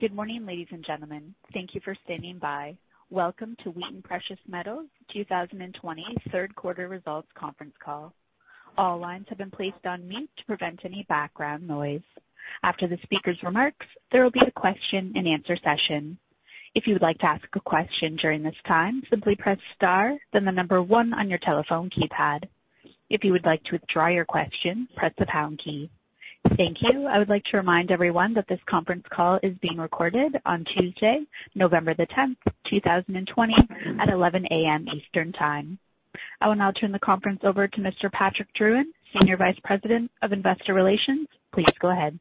Good morning, ladies and gentlemen. Thank you for standing by. Welcome to Wheaton Precious Metals' 2020 Q3 Results Conference Call. All lines have been placed on mute to prevent any background noise. After the speaker's remarks, there will be a question-and-answer session. I would like to remind everyone that this conference call is being recorded on Tuesday, November the 10th, 2020 at 11:00 A.M. Eastern Time. I will now turn the conference over to Mr. Patrick Drouin, Senior Vice President of Investor Relations. Please go ahead.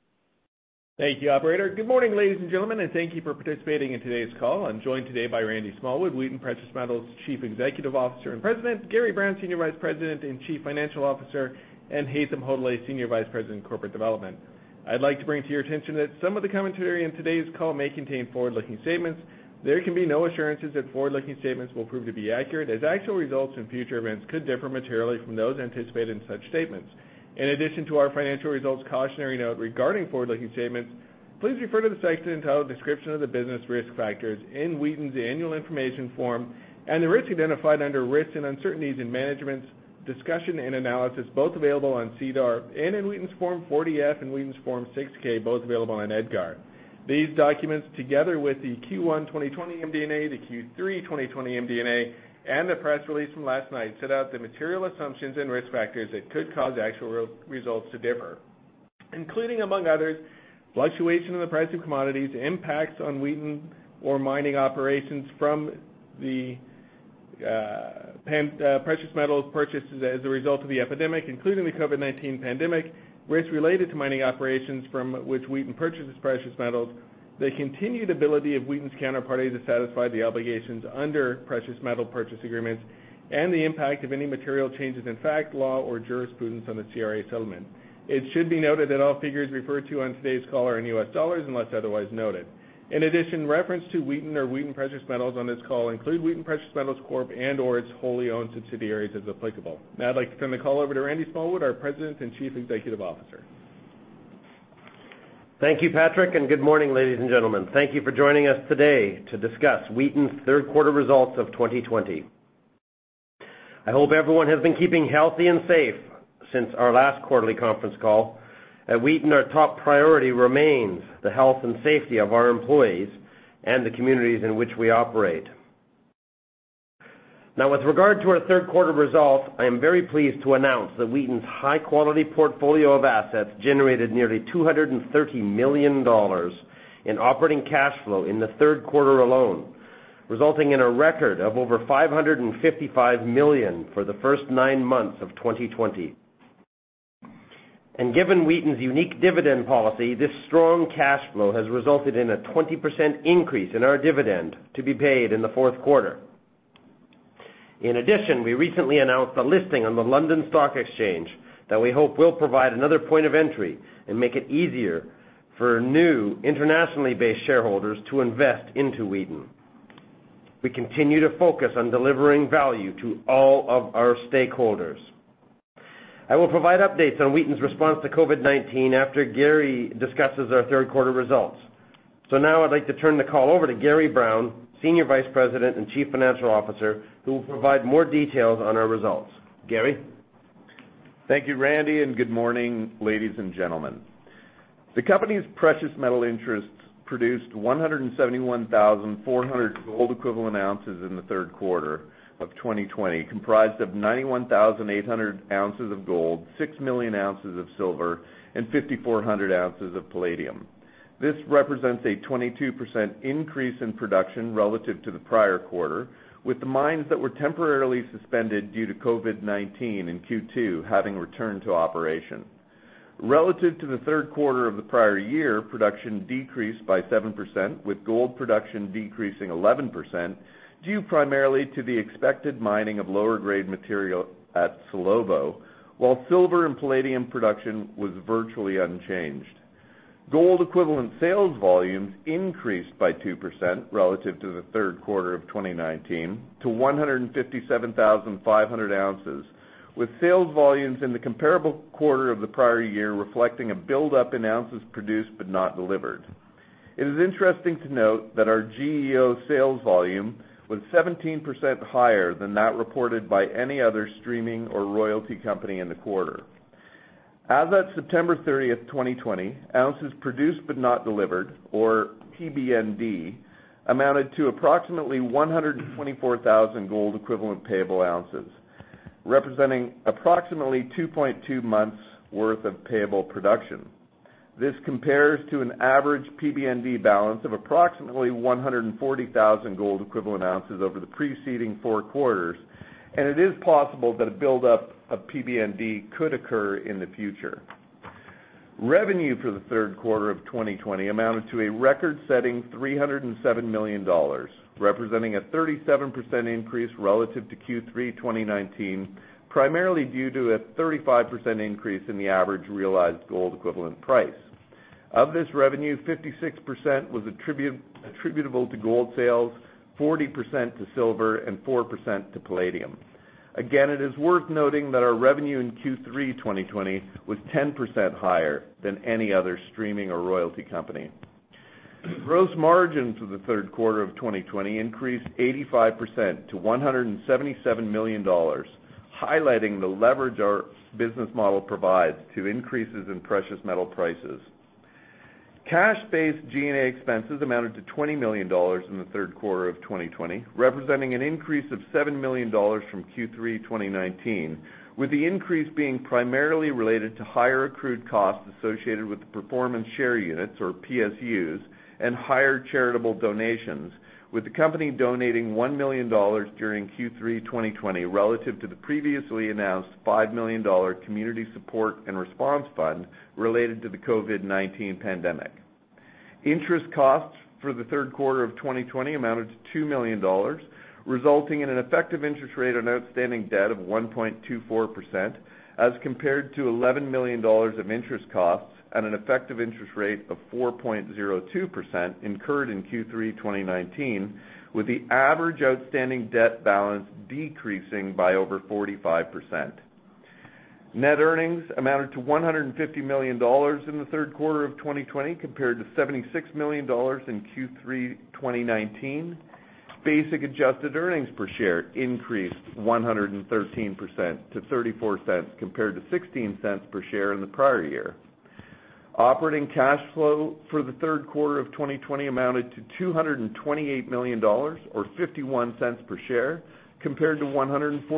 Thank you, operator. Good morning, ladies and gentlemen, and thank you for participating in today's call. I'm joined today by Randy Smallwood, Wheaton Precious Metals' Chief Executive Officer and President; Gary Brown, Senior Vice President and Chief Financial Officer; and Haytham Hodaly, Senior Vice President, Corporate Development. I'd like to bring to your attention that some of the commentary in today's call may contain forward-looking statements. There can be no assurances that forward-looking statements will prove to be accurate, as actual results in future events could differ materially from those anticipated in such statements. In addition to our financial results cautionary note regarding forward-looking statements, please refer to the section entitled Description of the Business Risk Factors in Wheaton's annual information form and the risks identified under Risks and Uncertainties in Management's Discussion and Analysis, both available on SEDAR and in Wheaton's Form 40-F and Wheaton's Form 6-K, both available on EDGAR. These documents, together with the Q1 2020 MD&A, the Q3 2020 MD&A, and the press release from last night, set out the material assumptions and risk factors that could cause actual results to differ, including, among others, fluctuation in the price of commodities, impacts on Wheaton or mining operations from the precious metals purchases as a result of the epidemic, including the COVID-19 pandemic, risks related to mining operations from which Wheaton purchases precious metals, the continued ability of Wheaton's counterparties to satisfy the obligations under precious metal purchase agreements, and the impact of any material changes in fact, law or jurisprudence on the CRA settlement. It should be noted that all figures referred to on today's call are in US dollars, unless otherwise noted. In addition, reference to Wheaton or Wheaton Precious Metals on this call include Wheaton Precious Metals Corp. and/or its wholly owned subsidiaries as applicable. Now I'd like to turn the call over to Randy Smallwood, our President and Chief Executive Officer. Thank you, Patrick. Good morning, ladies and gentlemen. Thank you for joining us today to discuss Wheaton's Q3 results of 2020. I hope everyone has been keeping healthy and safe since our last quarterly conference call. At Wheaton, our top priority remains the health and safety of our employees and the communities in which we operate. Now, with regard to our Q3 results, I am very pleased to announce that Wheaton's high-quality portfolio of assets generated nearly $230 million in operating cash flow in the Q3 alone, resulting in a record of over $555 million for the first nine months of 2020. Given Wheaton's unique dividend policy, this strong cash flow has resulted in a 20% increase in our dividend to be paid in the Q4. In addition, we recently announced a listing on the London Stock Exchange that we hope will provide another point of entry and make it easier for new internationally based shareholders to invest into Wheaton. We continue to focus on delivering value to all of our stakeholders. I will provide updates on Wheaton's response to COVID-19 after Gary discusses our Q3 results. Now I'd like to turn the call over to Gary Brown, Senior Vice President and Chief Financial Officer, who will provide more details on our results. Gary? Thank you, Randy. Good morning, ladies and gentlemen. The Company's precious metal interests produced 171,400 gold equivalent ounces in the Q3 of 2020, comprised of 91,800 ounces of gold, 6 million ounces of silver and 5,400 ounces of palladium. This represents a 22% increase in production relative to the prior quarter, with the mines that were temporarily suspended due to COVID-19 in Q2 having returned to operation. Relative to the Q3 of the prior year, production decreased by 7%, with gold production decreasing 11%, due primarily to the expected mining of lower grade material at Salobo, while silver and palladium production was virtually unchanged. Gold equivalent sales volumes increased by 2% relative to the Q3 of 2019, to 157,500 ounces, with sales volumes in the comparable quarter of the prior year reflecting a buildup in ounces produced but not delivered. It is interesting to note that our GEO sales volume was 17% higher than that reported by any other streaming or royalty company in the quarter. As at September 30, 2020, ounces produced but not delivered, or PBND, amounted to approximately 124,000 gold equivalent payable ounces, representing approximately 2.2 months worth of payable production. This compares to an average PBND balance of approximately 140,000 gold equivalent ounces over the preceding four quarters. It is possible that a buildup of PBND could occur in the future. Revenue for the Q3 of 2020 amounted to a record-setting $307 million, representing a 37% increase relative to Q3 2019, primarily due to a 35% increase in the average realized gold equivalent price. Of this revenue, 56% was attributable to gold sales, 40% to silver, and 4% to palladium. Again, it is worth noting that our revenue in Q3 2020 was 10% higher than any other streaming or royalty company. Gross margins for the Q3 of 2020 increased 85% to $177 million, highlighting the leverage our business model provides to increases in precious metal prices. Cash-based G&A expenses amounted to $20 million in the Q3 of 2020, representing an increase of $7 million from Q3 2019, with the increase being primarily related to higher accrued costs associated with the performance share units, or PSUs, and higher charitable donations, with the Company donating $1 million during Q3 2020 relative to the previously announced $5 million Community Support and Response Fund relative to the COVID-19 pandemic. Interest costs for the Q3 of 2020 amounted to $2 million, resulting in an effective interest rate on outstanding debt of 1.24%, as compared to $11 million of interest costs at an effective interest rate of 4.02% incurred in Q3 2019, with the average outstanding debt balance decreasing by over 45%. Net earnings amounted to $150 million in the Q3 of 2020 compared to $76 million in Q3 2019. Basic adjusted earnings per share increased 113% to $0.34 compared to $0.16 per share in the prior year. Operating cash flow for the Q3 of 2020 amounted to $228 million, or $0.51 per share, compared to $142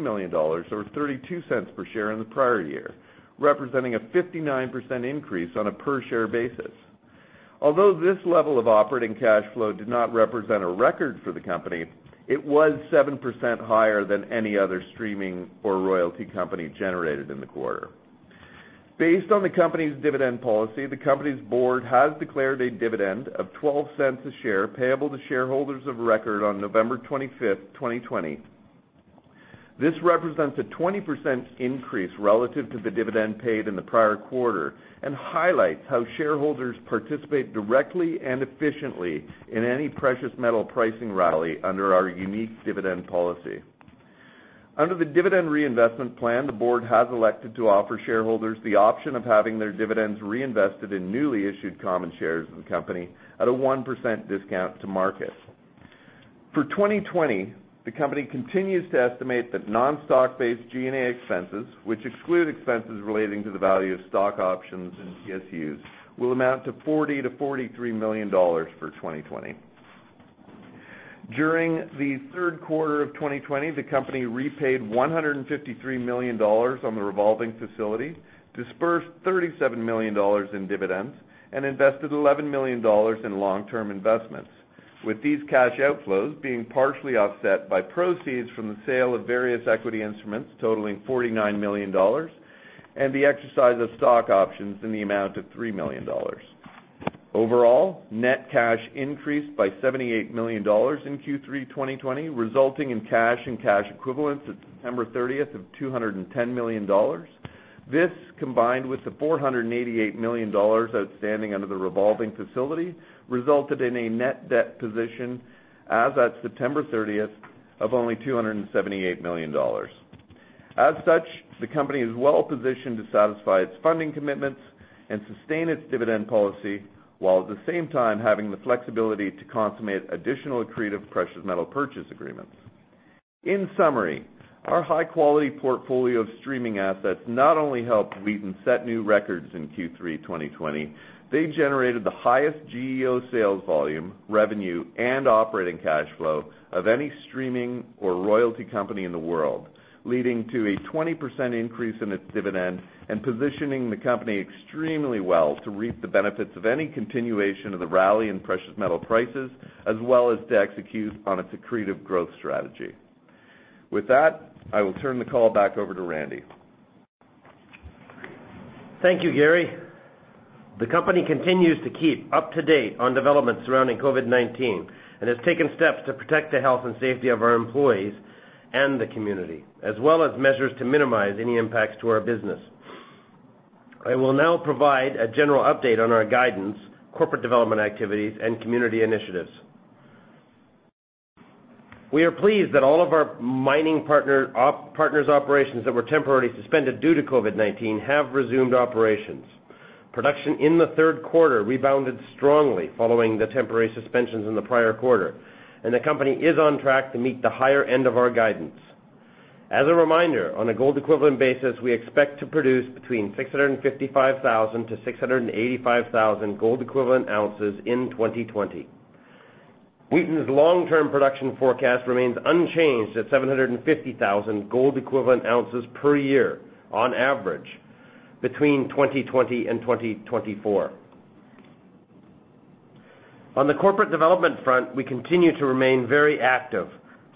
million, or $0.32 per share in the prior year, representing a 59% increase on a per share basis. Although this level of operating cash flow did not represent a record for the Company, it was 7% higher than any other streaming or royalty company generated in the quarter. Based on the Company's dividend policy, the Company's Board has declared a dividend of $0.12 a share payable to shareholders of record on November 25th, 2020. This represents a 20% increase relative to the dividend paid in the prior quarter and highlights how shareholders participate directly and efficiently in any precious metal pricing rally under our unique dividend policy. Under the dividend reinvestment plan, the Board has elected to offer shareholders the option of having their dividends reinvested in newly issued common shares of the Company at a 1% discount to market. For 2020, the Company continues to estimate that non-stock-based G&A expenses, which exclude expenses relating to the value of stock options and PSUs, will amount to $40 million-$43 million for 2020. During the Q3 of 2020, the Company repaid $153 million on the revolving facility, dispersed $37 million in dividends, and invested $11 million in long-term investments, with these cash outflows being partially offset by proceeds from the sale of various equity instruments totaling $49 million and the exercise of stock options in the amount of $3 million. Overall, net cash increased by $78 million in Q3 2020, resulting in cash and cash equivalents at September 30th of $210 million. This, combined with the $488 million outstanding under the revolving facility, resulted in a net debt position as at September 30th of only $278 million. As such, the Company is well-positioned to satisfy its funding commitments and sustain its dividend policy while at the same time having the flexibility to consummate additional accretive precious metal purchase agreements. In summary, our high-quality portfolio of streaming assets not only helped Wheaton set new records in Q3 2020, they generated the highest GEO sales volume, revenue, and operating cash flow of any streaming or royalty company in the world, leading to a 20% increase in its dividend and positioning the Company extremely well to reap the benefits of any continuation of the rally in precious metal prices, as well as to execute on its accretive growth strategy. With that, I will turn the call back over to Randy. Thank you, Gary. The Company continues to keep up to date on developments surrounding COVID-19 and has taken steps to protect the health and safety of our employees and the community, as well as measures to minimize any impacts to our business. I will now provide a general update on our guidance, corporate development activities, and community initiatives. We are pleased that all of our mining partners' operations that were temporarily suspended due to COVID-19 have resumed operations. Production in the Q3 rebounded strongly following the temporary suspensions in the prior quarter, and the Company is on track to meet the higher end of our guidance. As a reminder, on a gold equivalent basis, we expect to produce between 655,000-685,000 gold equivalent ounces in 2020. Wheaton's long-term production forecast remains unchanged at 750,000 gold equivalent ounces per year on average between 2020 and 2024. On the corporate development front, we continue to remain very active.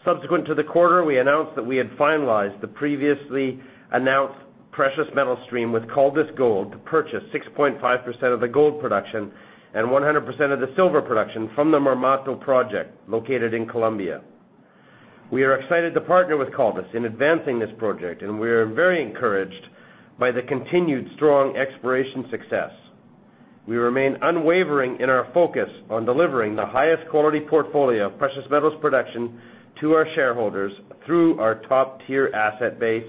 Subsequent to the quarter, we announced that we had finalized the previously announced precious metal stream with Caldas Gold to purchase 6.5% of the gold production and 100% of the silver production from the Marmato Project located in Colombia. We are excited to partner with Caldas in advancing this project, and we are very encouraged by the continued strong exploration success. We remain unwavering in our focus on delivering the highest quality portfolio of precious metals production to our shareholders through our top-tier asset base,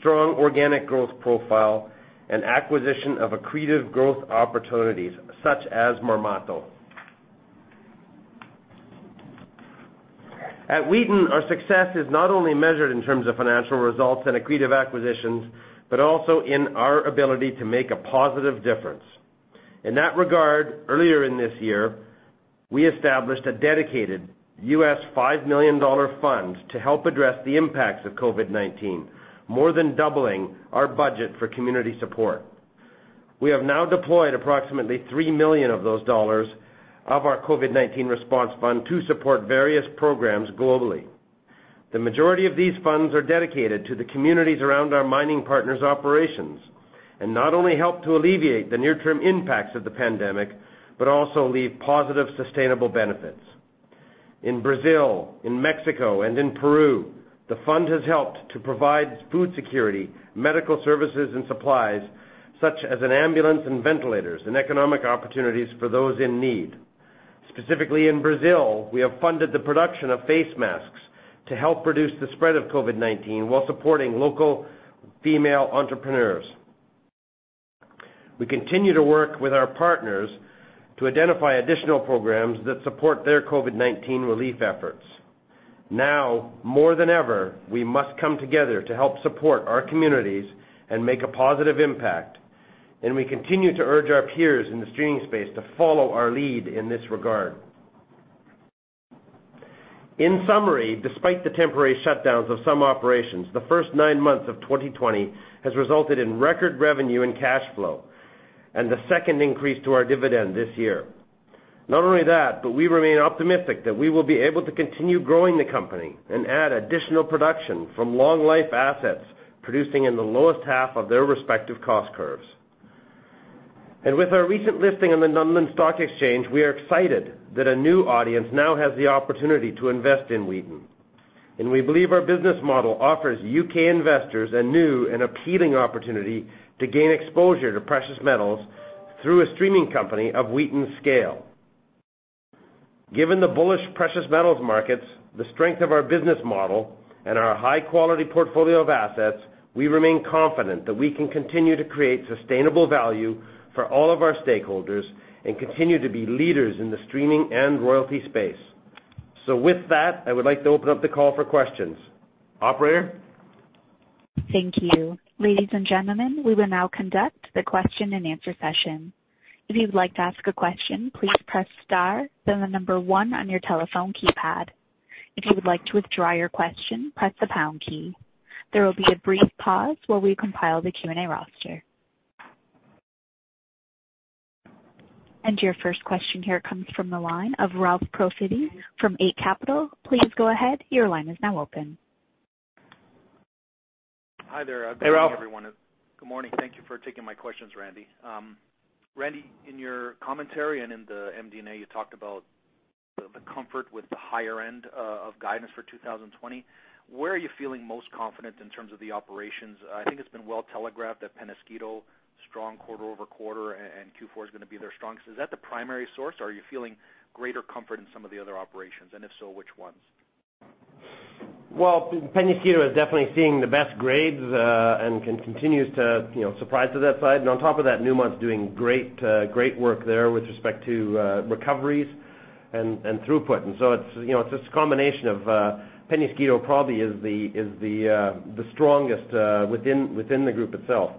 strong organic growth profile, and acquisition of accretive growth opportunities such as Marmato. At Wheaton, our success is not only measured in terms of financial results and accretive acquisitions, but also in our ability to make a positive difference. In that regard, earlier in this year, we established a dedicated $5 million fund to help address the impacts of COVID-19, more than doubling our budget for community support. We have now deployed approximately $3 million of those dollars of our COVID-19 response fund to support various programs globally. The majority of these funds are dedicated to the communities around our mining partners' operations, Not only help to alleviate the near-term impacts of the pandemic, but also leave positive, sustainable benefits. In Brazil, in Mexico, and in Peru, the fund has helped to provide food security, medical services and supplies, such as an ambulance and ventilators, and economic opportunities for those in need. Specifically in Brazil, we have funded the production of face masks to help reduce the spread of COVID-19 while supporting local female entrepreneurs. We continue to work with our partners to identify additional programs that support their COVID-19 relief efforts. Now more than ever, we must come together to help support our communities and make a positive impact. We continue to urge our peers in the streaming space to follow our lead in this regard. In summary, despite the temporary shutdowns of some operations, the first nine months of 2020 has resulted in record revenue and cash flow. The second increase to our dividend this year. Not only that, we remain optimistic that we will be able to continue growing the Company and add additional production from long-life assets producing in the lowest half of their respective cost curves. With our recent listing on the London Stock Exchange, we are excited that a new audience now has the opportunity to invest in Wheaton. We believe our business model offers U.K. investors a new and appealing opportunity to gain exposure to precious metals through a streaming company of Wheaton's scale. Given the bullish precious metals markets, the strength of our business model, and our high-quality portfolio of assets, we remain confident that we can continue to create sustainable value for all of our stakeholders and continue to be leaders in the streaming and royalty space. With that, I would like to open up the call for questions. Operator? Thank you. Ladies and gentlemen, we will now conduct the question-and-answer session. Your first question here comes from the line of Ralph Profiti from Eight Capital. Please go ahead, your line is now open. Hi there. Hey, Ralph. Good morning, everyone. Good morning. Thank you for taking my questions, Randy. Randy, in your commentary and in the MD&A, you talked about the comfort with the higher end of guidance for 2020. Where are you feeling most confident in terms of the operations? I think it's been well telegraphed at Penasquito, strong quarter-over-quarter, and Q4 is going to be their strongest. Is that the primary source, or are you feeling greater comfort in some of the other operations? If so, which ones? Well, Penasquito is definitely seeing the best grades and continues to surprise to that side. On top of that, Newmont's doing great work there with respect to recoveries and throughput. It's this combination of Penasquito probably is the strongest within the group itself.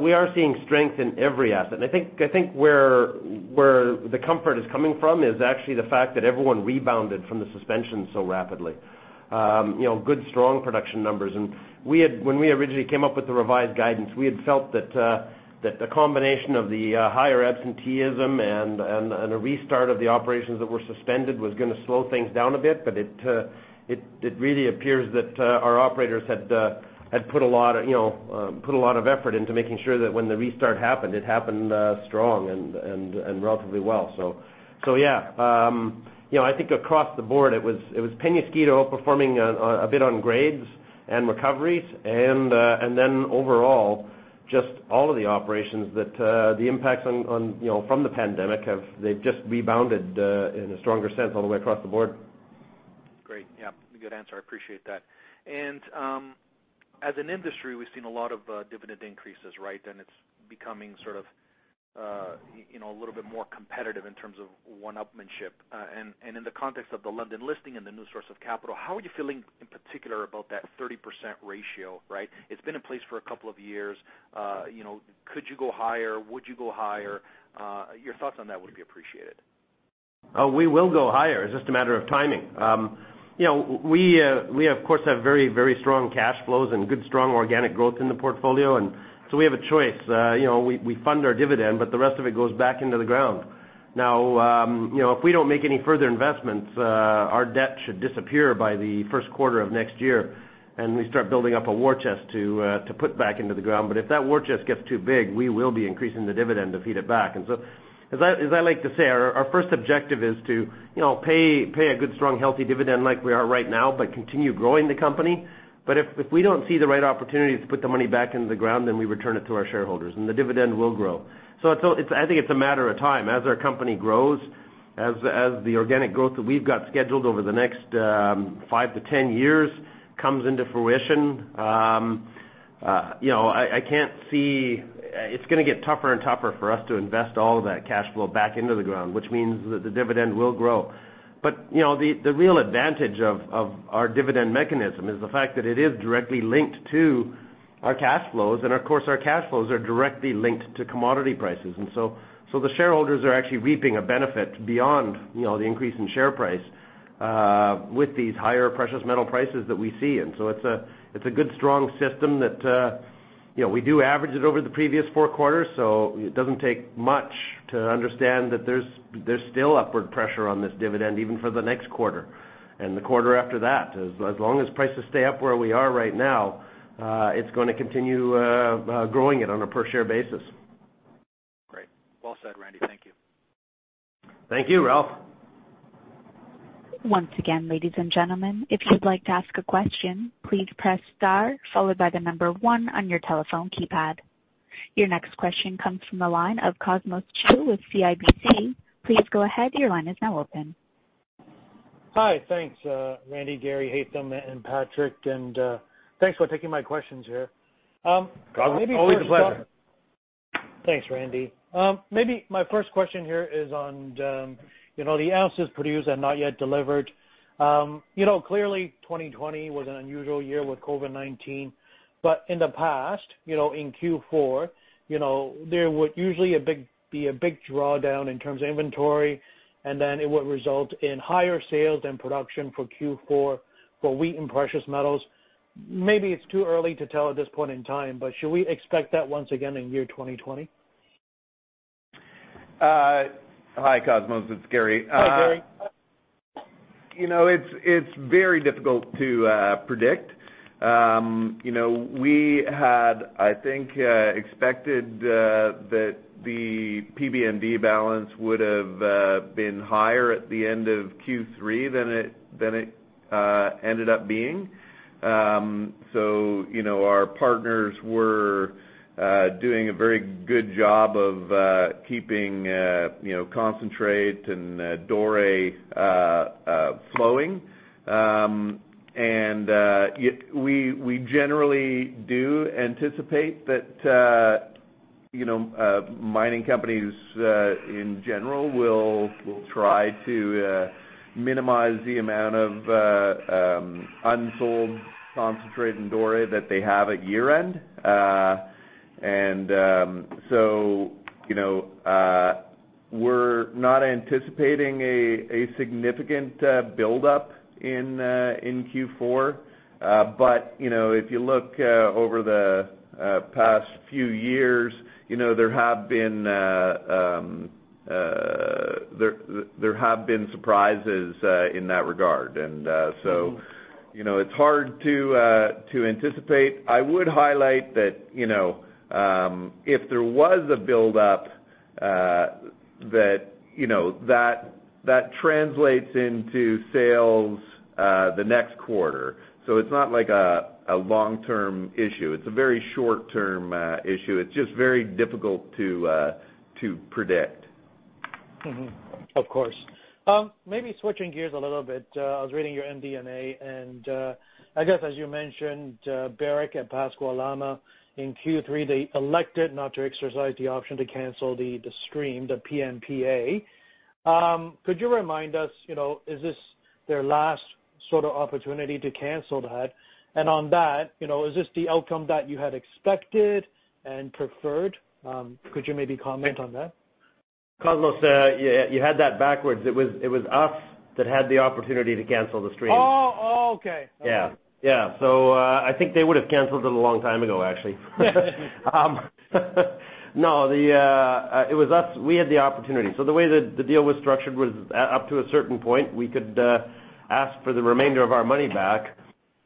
We are seeing strength in every asset. I think where the comfort is coming from is actually the fact that everyone rebounded from the suspension so rapidly. Good, strong production numbers. When we originally came up with the revised guidance, we had felt that the combination of the higher absenteeism and a restart of the operations that were suspended was going to slow things down a bit, but it really appears that our operators had put a lot of effort into making sure that when the restart happened, it happened strong and relatively well. Yeah. I think across the board, it was Penasquito outperforming a bit on grades and recoveries. Overall, just all of the operations that the impacts from the pandemic, they've just rebounded in a stronger sense all the way across the board. Great. Yeah. Good answer. I appreciate that. As an industry, we've seen a lot of dividend increases, right? It's becoming sort of a little bit more competitive in terms of one-upmanship. In the context of the London listing and the new source of capital, how are you feeling in particular about that 30% ratio, right? It's been in place for a couple of years. Could you go higher? Would you go higher? Your thoughts on that would be appreciated. We will go higher. It's just a matter of timing. We of course, have very strong cash flows and good strong organic growth in the portfolio, we have a choice. We fund our dividend, but the rest of it goes back into the ground. If we don't make any further investments, our debt should disappear by the Q1 of next year, and we start building up a war chest to put back into the ground. If that war chest gets too big, we will be increasing the dividend to feed it back. As I like to say, our first objective is to pay a good, strong, healthy dividend like we are right now, but continue growing the Company. If we don't see the right opportunity to put the money back into the ground, then we return it to our shareholders, and the dividend will grow. I think it's a matter of time as our company grows, as the organic growth that we've got scheduled over the next five to 10 years comes into fruition. It's going to get tougher and tougher for us to invest all of that cash flow back into the ground, which means that the dividend will grow. The real advantage of our dividend mechanism is the fact that it is directly linked to our cash flows, and of course, our cash flows are directly linked to commodity prices, the shareholders are actually reaping a benefit beyond the increase in share price with these higher precious metal prices that we see. It's a good, strong system. We do average it over the previous four quarters, so it doesn't take much to understand that there's still upward pressure on this dividend, even for the next quarter, and the quarter after that. As long as prices stay up where we are right now, it's going to continue growing it on a per share basis. Great. Well said, Randy. Thank you. Thank you, Ralph. Your next question comes from the line of Cosmos Chiu with CIBC. Please go ahead. Hi. Thanks, Randy, Gary, Haytham, and Patrick. And thanks for taking my questions here. Cosmos, always a pleasure. Thanks, Randy. Maybe my first question here is on the ounces produced and not yet delivered. Clearly, 2020 was an unusual year with COVID-19, but in the past, in Q4, there would usually be a big drawdown in terms of inventory. Then it would result in higher sales than production for Q4 for Wheaton Precious Metals. Maybe it's too early to tell at this point in time. Should we expect that once again in year 2020? Hi, Cosmos, it's Gary. Hi, Gary. It's very difficult to predict. We had, I think, expected that the PBND balance would have been higher at the end of Q3 than it ended up being. Our partners were doing a very good job of keeping concentrate and doré flowing. We generally do anticipate that mining companies in general will try to minimize the amount of unsold concentrate and doré that they have at year end. We're not anticipating a significant buildup in Q4. If you look over the past few years, there have been surprises in that regard. It's hard to anticipate. I would highlight that if there was a buildup, that translates into sales the next quarter. It's not like a long term issue. It's a very short term issue. It's just very difficult to predict. Of course. Maybe switching gears a little bit, I was reading your MD&A, and I guess as you mentioned, Barrick at Pascua-Lama in Q3, they elected not to exercise the option to cancel the stream, the PMPA. Could you remind us, is this their last sort of opportunity to cancel that? On that, is this the outcome that you had expected and preferred? Could you maybe comment on that? Cosmos, you had that backwards. It was us that had the opportunity to cancel the stream. Oh, okay. Yeah. I think they would have canceled it a long time ago, actually. No, it was us. We had the opportunity. The way that the deal was structured was up to a certain point, we could ask for the remainder of our money back.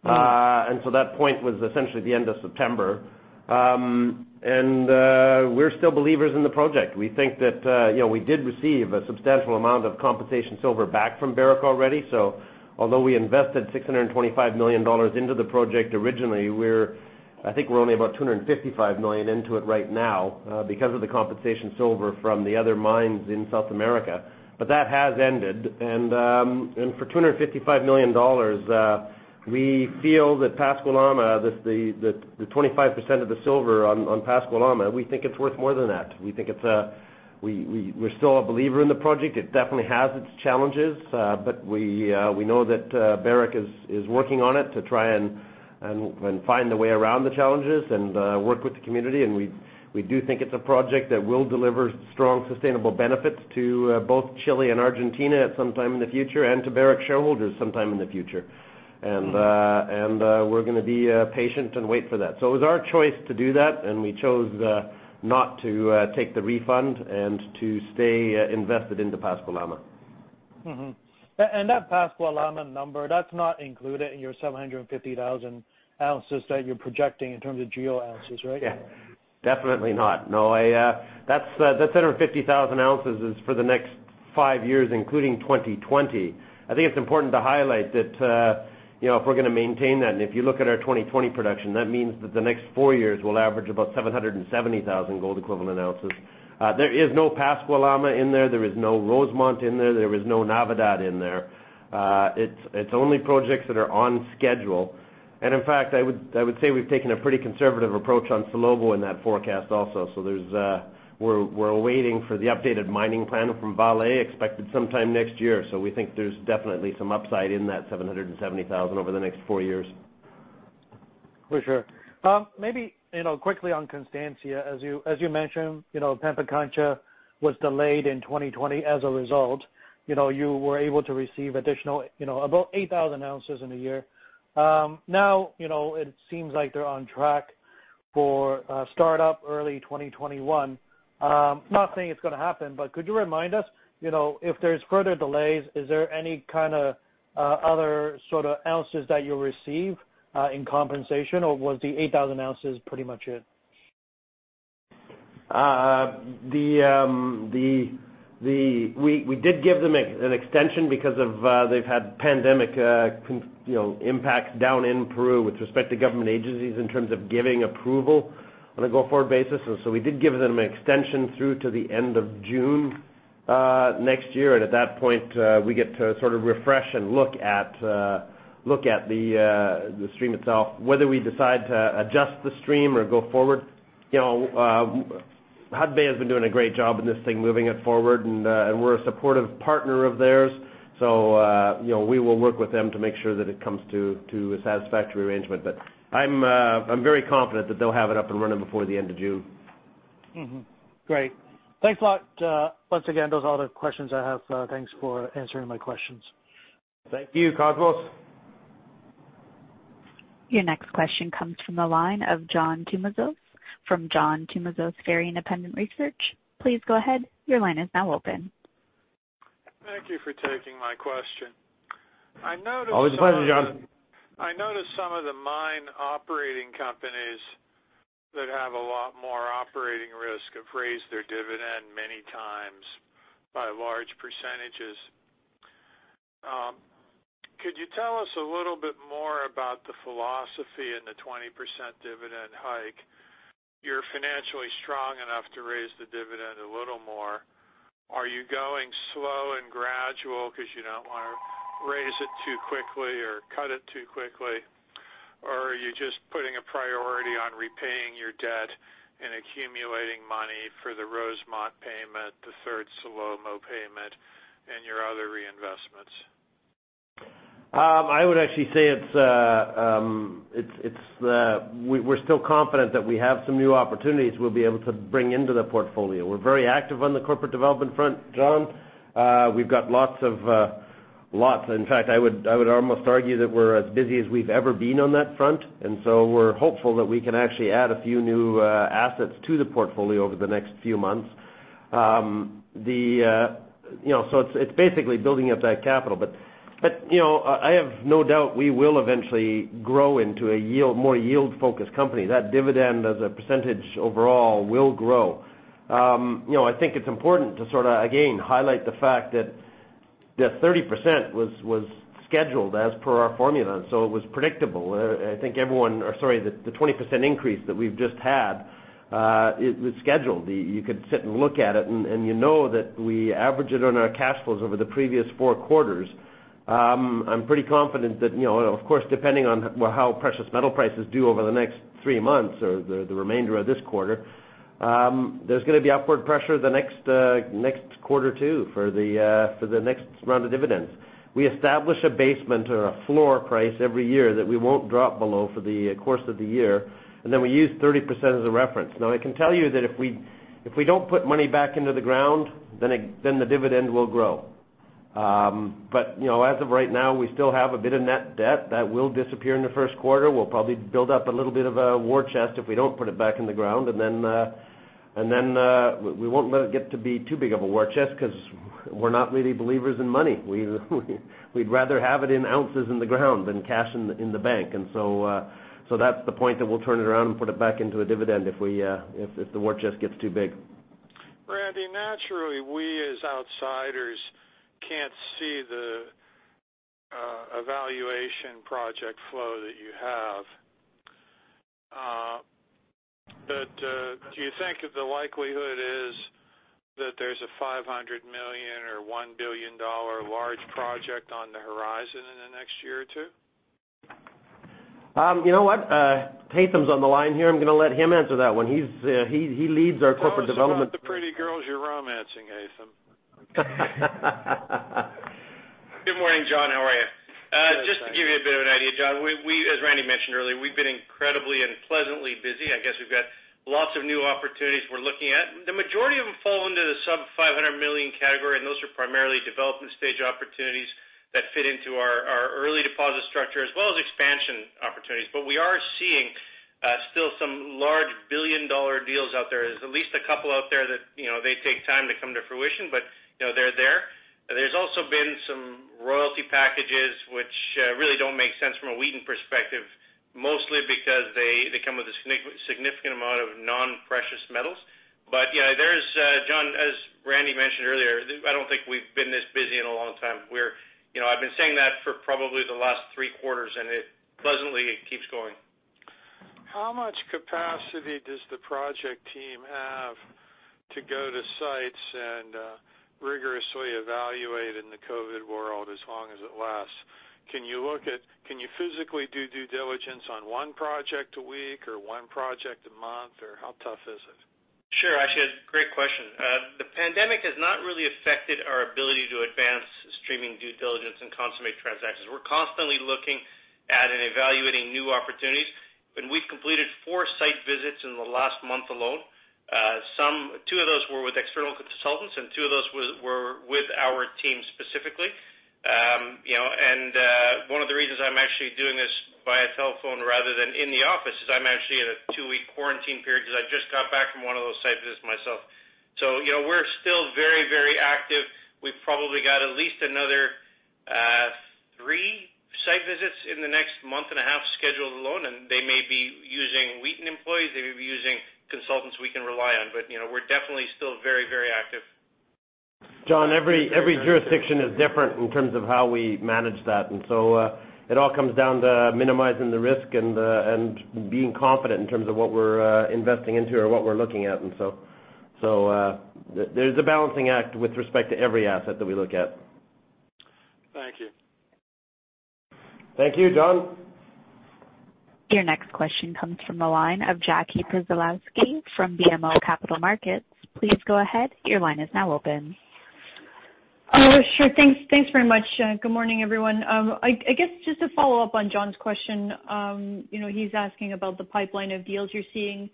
That point was essentially the end of September. We're still believers in the project. We think that we did receive a substantial amount of compensation silver back from Barrick already. Although we invested $625 million into the project originally, I think we're only about $255 million into it right now because of the compensation silver from the other mines in South America. That has ended, and for $255 million, we feel that Pascua-Lama, the 25% of the silver on Pascua-Lama, we think it's worth more than that. We're still a believer in the project. It definitely has its challenges, but we know that Barrick is working on it to try and find a way around the challenges and work with the community, and we do think it's a project that will deliver strong, sustainable benefits to both Chile and Argentina at some time in the future, and to Barrick shareholders sometime in the future. We're going to be patient and wait for that. It was our choice to do that, and we chose not to take the refund and to stay invested into Pascua-Lama. That Pascua-Lama number, that's not included in your 750,000 ounces that you're projecting in terms of GEO ounces, right? Yeah. Definitely not. That's 750,000 ounces is for the next five years, including 2020. I think it's important to highlight that if we're going to maintain that, and if you look at our 2020 production, that means that the next four years will average about 770,000 gold equivalent ounces. There is no Pascua-Lama in there. There is no Rosemont in there. There is no Navidad in there. It's only projects that are on schedule. In fact, I would say we've taken a pretty conservative approach on Salobo in that forecast also. We're waiting for the updated mining plan from Vale, expected sometime next year. We think there's definitely some upside in that 770,000 over the next four years. For sure. Maybe quickly on Constancia, as you mentioned, Pampacancha was delayed in 2020 as a result. You were able to receive additional about 8,000 ounces in a year. Now, it seems like they're on track for startup early 2021. I'm not saying it's going to happen, but could you remind us if there's further delays, is there any kind of other ounces that you'll receive in compensation, or was the 8,000 ounces pretty much it? We did give them an extension because of they've had pandemic impacts down in Peru with respect to government agencies in terms of giving approval on a go-forward basis. We did give them an extension through to the end of June next year. At that point, we get to refresh and look at the stream itself. Whether we decide to adjust the stream or go forward, Hudbay has been doing a great job in this thing, moving it forward, and we're a supportive partner of theirs. We will work with them to make sure that it comes to a satisfactory arrangement. I'm very confident that they'll have it up and running before the end of June. Great. Thanks a lot. Once again, those are all the questions I have. Thanks for answering my questions. Thank you, Cosmos. Your next question comes from the line of John Tumazos from John Tumazos Very Independent Research. Please go ahead. Your line is now open. Thank you for taking my question. Always a pleasure, John. I noticed some of the mine operating companies that have a lot more operating risk have raised their dividend many times by large percentages. Could you tell us a little bit more about the philosophy and the 20% dividend hike? You're financially strong enough to raise the dividend a little more. Are you going slow and gradual because you don't want to raise it too quickly or cut it too quickly? Or are you just putting a priority on repaying your debt and accumulating money for the Rosemont payment, to third Salobo payment, and your other reinvestments? I would actually say we're still confident that we have some new opportunities we'll be able to bring into the portfolio. We're very active on the corporate development front, John. We've got lots. In fact, I would almost argue that we're as busy as we've ever been on that front. We're hopeful that we can actually add a few new assets to the portfolio over the next few months. It's basically building up that capital. I have no doubt we will eventually grow into a more yield focused company. That dividend as a % overall will grow. I think it's important to again highlight the fact that 30% was scheduled as per our formula, and so it was predictable. The 20% increase that we've just had, it was scheduled. You could sit and look at it and you know that we average it on our cash flows over the previous four quarters. I'm pretty confident that, of course, depending on how precious metal prices do over the next three months or the remainder of this quarter, there's going to be upward pressure the next quarter too for the next round of dividends. We establish a basement or a floor price every year that we won't drop below for the course of the year, and then we use 30% as a reference. Now, I can tell you that if we don't put money back into the ground, then the dividend will grow. As of right now, we still have a bit of net debt that will disappear in the Q1. We'll probably build up a little bit of a war chest if we don't put it back in the ground, and then we won't let it get to be too big of a war chest because we're not really believers in money. We'd rather have it in ounces in the ground than cash in the bank. That's the point that we'll turn it around and put it back into a dividend if the war chest gets too big. Randy, naturally, we as outsiders can't see the evaluation project flow that you have. Do you think that the likelihood is that there's a $500 million or $1 billion large project on the horizon in the next year or two? You know what? Haytham's on the line here. I'm going to let him answer that one. He leads our Corporate Development. Tell us about the pretty girls you're romancing, Haytham? Good morning, John. How are you? Good, thanks. Just to give you a bit of an idea, John, as Randy mentioned earlier, we've been incredibly and pleasantly busy. I guess we've got lots of new opportunities we're looking at. The majority of them fall into the sub-$500 million category, and those are primarily development stage opportunities that fit into our early deposit structure as well as expansion opportunities. We are seeing still some large $1 billion deals out there. There's at least a couple out there that they take time to come to fruition, but they're there. There's also been some royalty packages which really don't make sense from a Wheaton perspective, mostly because they come with a significant amount of non-precious metals. John, as Randy mentioned earlier, I don't think we've been this busy in a long time. I've been saying that for probably the last three quarters, pleasantly, it keeps going. How much capacity does the project team have to go to sites and rigorously evaluate in the COVID-19 world, as long as it lasts? Can you physically do due diligence on one project a week or one project a month, or how tough is it? Sure, actually, a great question. The pandemic has not really affected our ability to advance streaming due diligence and consummate transactions. We're constantly looking at and evaluating new opportunities. We've completed four site visits in the last month alone. Two of those were with external consultants, two of those were with our team specifically. One of the reasons I'm actually doing this via telephone rather than in the office is I'm actually in a two-week quarantine period because I just got back from one of those site visits myself. We're still very active. We've probably got at least another three site visits in the next month and a half scheduled alone, they may be using Wheaton employees, they may be using consultants we can rely on. We're definitely still very active. John, every jurisdiction is different in terms of how we manage that. It all comes down to minimizing the risk and being confident in terms of what we're investing into or what we're looking at. There's a balancing act with respect to every asset that we look at. Thank you. Thank you, John. Your next question comes from the line of Jackie Przybylowski from BMO Capital Markets. Please go ahead, your line is now open. Oh, sure. Thanks very much. Good morning, everyone. I guess just to follow up on John's question. He's asking about the pipeline of deals you're seeing,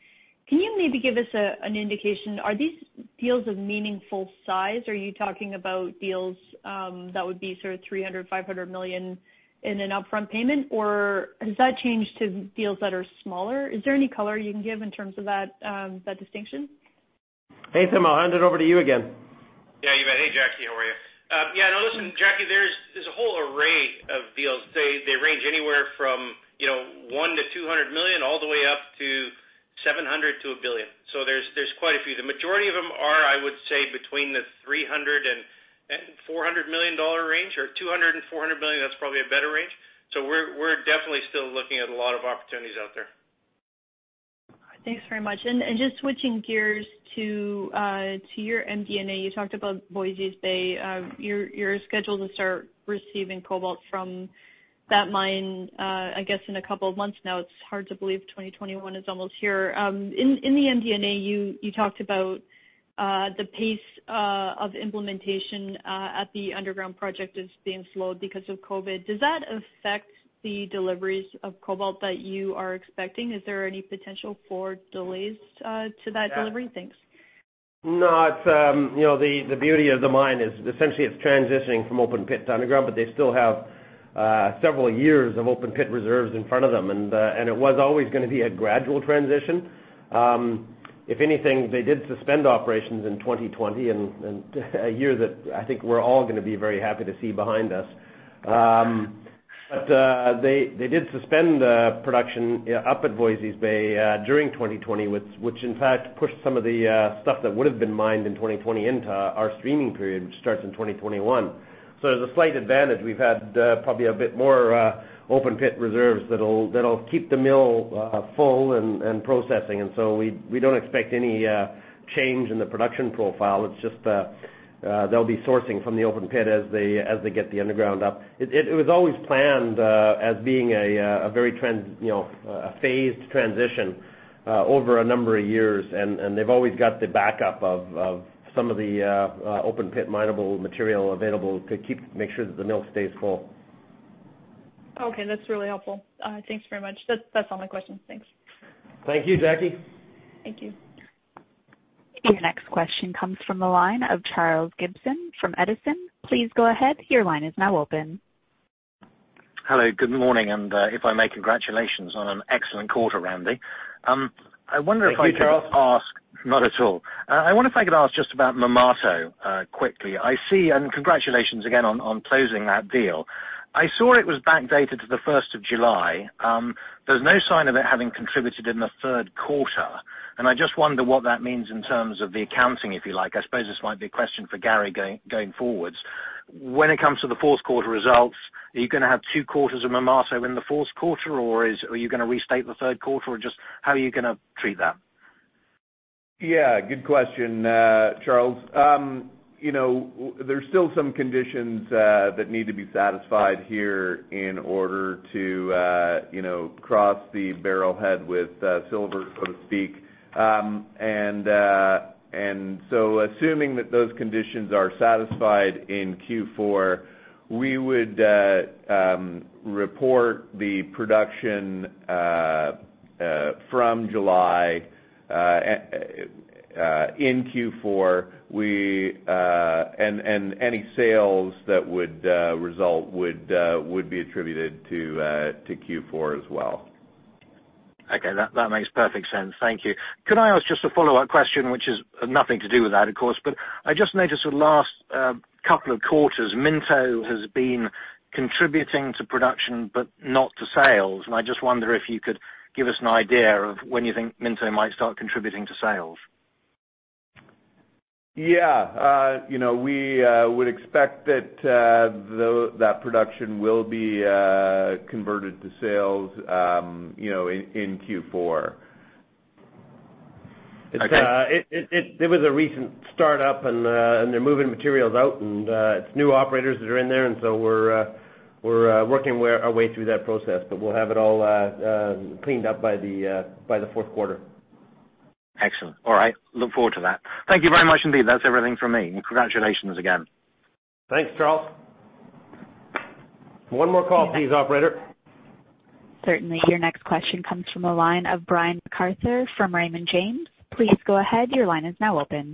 can you maybe give us an indication, are these deals of meaningful size? Are you talking about deals that would be sort of $300 million, $500 million in an upfront payment, or has that changed to deals that are smaller? Is there any color you can give in terms of that distinction? Haytham, I'll hand it over to you again. Yeah, you bet. Hey, Jackie, how are you? Listen, Jackie, there's a whole array of deals. They range anywhere from $1 million-$200 million, all the way up to $700 million-$1 billion. There's quite a few. The majority of them are, I would say, between the $300 million and $400 million range, or $200 million and $400 million, that's probably a better range. We're definitely still looking at a lot of opportunities out there. Thanks very much. Just switching gears to your MD&A, you talked about Voisey's Bay. You're scheduled to start receiving cobalt from that mine, I guess, in a couple of months now. It's hard to believe 2021 is almost here. In the MD&A, you talked about the pace of implementation at the underground project is being slowed because of COVID. Does that affect the deliveries of cobalt that you are expecting? Is there any potential for delays to that delivery? Thanks. No. The beauty of the mine is essentially it's transitioning from open pit to underground, but they still have several years of open pit reserves in front of them, and it was always going to be a gradual transition. If anything, they did suspend operations in 2020, a year that I think we're all going to be very happy to see behind us. They did suspend production up at Voisey's Bay during 2020, which in fact pushed some of the stuff that would have been mined in 2020 into our streaming period, which starts in 2021. As a slight advantage, we've had probably a bit more open pit reserves that'll keep the mill full and processing. We don't expect any change in the production profile. It's just they'll be sourcing from the open pit as they get the underground up. It was always planned as being a very phased transition over a number of years. They've always got the backup of some of the open pit mineable material available to make sure that the mill stays full. Okay. That's really helpful. Thanks very much. That's all my questions. Thanks. Thank you, Jackie. Thank you. Your next question comes from the line of Charles Gibson from Edison. Please go ahead, your line is now open. Hello, good morning. If I may, congratulations on an excellent quarter, Randy. I wonder if I could ask— Thank you, Charles. Not at all. I wonder if I could ask just about Marmato quickly. Congratulations again on closing that deal. I saw it was backdated to the 1st of July. There's no sign of it having contributed in the Q3, and I just wonder what that means in terms of the accounting, if you like. I suppose this might be a question for Gary going forwards. When it comes to the Q4 results, are you going to have two quarters of Marmato in the Q4, or are you going to restate the Q3, or just how are you going to treat that? Yeah, good question, Charles. There are still some conditions that need to be satisfied here in order to cross the barrel head with silver, so to speak. Assuming that those conditions are satisfied in Q4, we would report the production from July in Q4, and any sales that would result would be attributed to Q4 as well. Okay, that makes perfect sense. Thank you. Could I ask just a follow-up question, which is nothing to do with that, of course, but I just noticed the last couple of quarters, Minto has been contributing to production but not to sales, and I just wonder if you could give us an idea of when you think Minto might start contributing to sales? Yeah. We would expect that production will be converted to sales in Q4. It was a recent startup, and they're moving materials out, and it's new operators that are in there. We're working our way through that process, but we'll have it all cleaned up by the Q4. Excellent. All right. Look forward to that. Thank you very much indeed. That's everything from me, and congratulations again. Thanks, Charles. One more call, please, operator. Certainly. Your next question comes from the line of Brian MacArthur from Raymond James. Please go ahead. Hi,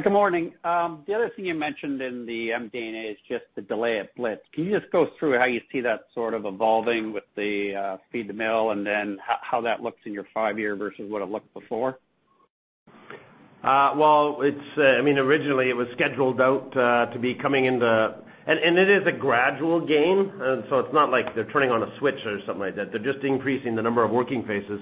good morning. The other thing you mentioned in the MD&A is just the delay at Blitz. Can you just go through how you see that sort of evolving with the feed the mill, and then how that looks in your five-year versus what it looked before? Well, originally, it was scheduled out to be coming into. It is a gradual gain. It's not like they're turning on a switch or something like that. They're just increasing the number of working faces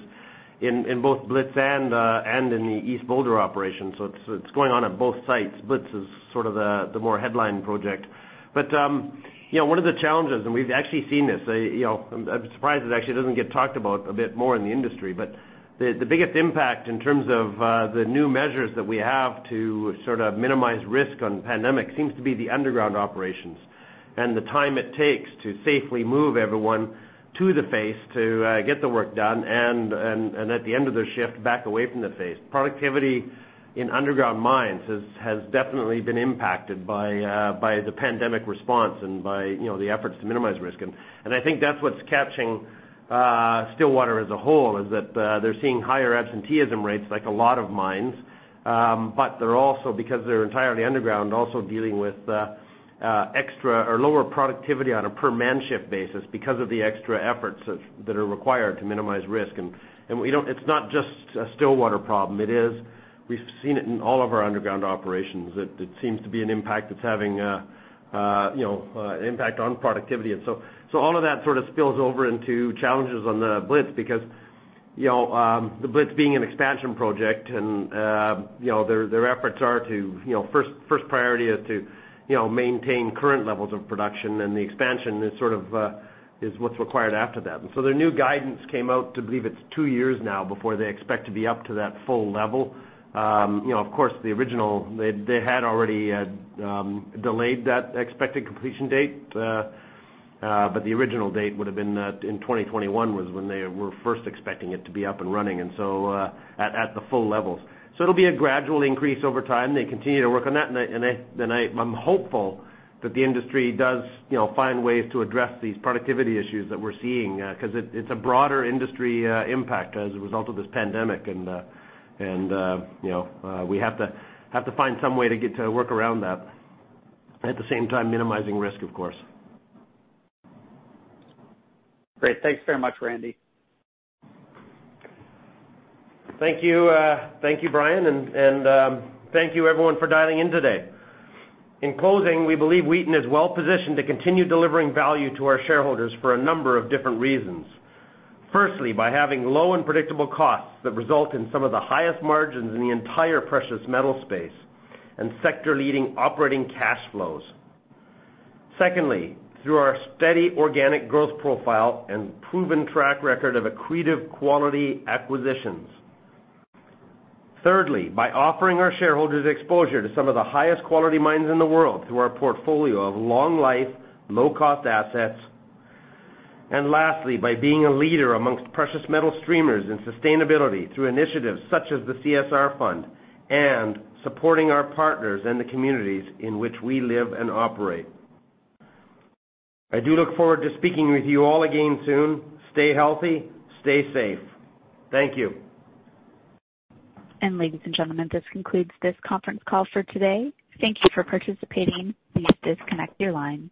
in both Blitz and in the East Boulder operations. It's going on at both sites. Blitz is sort of the more headline project. One of the challenges, and we've actually seen this, I'm surprised it actually doesn't get talked about a bit more in the industry, but the biggest impact in terms of the new measures that we have to sort of minimize risk on pandemic seems to be the underground operations and the time it takes to safely move everyone to the face to get the work done and at the end of their shift, back away from the face. Productivity in underground mines has definitely been impacted by the pandemic response and by the efforts to minimize risk. I think that's what's catching Stillwater as a whole, is that they're seeing higher absenteeism rates like a lot of mines, but they're also, because they're entirely underground, also dealing with lower productivity on a per-man shift basis because of the extra efforts that are required to minimize risk. It's not just a Stillwater problem; we've seen it in all of our underground operations. It seems to be an impact it's having, an impact on productivity. All of that sort of spills over into challenges on the Blitz because the Blitz being an expansion project and their efforts are to, first priority is to maintain current levels of production, and the expansion is what's required after that. Their new guidance came out to, I believe it's two years now, before they expect to be up to that full level. Of course, they had already delayed that expected completion date, but the original date would've been in 2021 was when they were first expecting it to be up and running at the full levels. It'll be a gradual increase over time. They continue to work on that, and I'm hopeful that the industry does find ways to address these productivity issues that we're seeing, because it's a broader industry impact as a result of this pandemic. We have to find some way to get to work around that, at the same time minimizing risk, of course. Great. Thanks very much, Randy. Thank you, Brian, and thank you everyone for dialing in today. In closing, we believe Wheaton is well positioned to continue delivering value to our shareholders for a number of different reasons. Firstly, by having low and predictable costs that result in some of the highest margins in the entire precious metal space and sector-leading operating cash flows. Secondly, through our steady organic growth profile and proven track record of accretive quality acquisitions. Thirdly, by offering our shareholders exposure to some of the highest quality mines in the world through our portfolio of long life, low-cost assets. Lastly, by being a leader amongst precious metal streamers in sustainability through initiatives such as the CSR fund and supporting our partners and the communities in which we live and operate. I do look forward to speaking with you all again soon. Stay healthy, stay safe. Thank you. Ladies and gentlemen, this concludes this conference call for today. Thank you for participating. Please disconnect your lines.